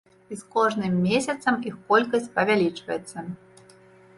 І з кожным месяцам іх колькасць павялічваецца.